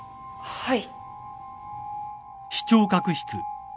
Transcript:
はい。